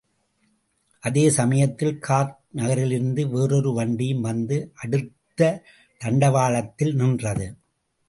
அதே சமயத்தில் கார்க் நகரிலிருந்து வேறோரு வண்டியும் வந்து அடுத்த தண்டவாளத்தில் நின்றது.